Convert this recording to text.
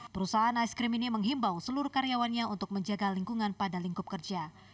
perusahaan ice cream ini menghimbau seluruh karyawannya untuk menjaga lingkungan pada lingkup kerja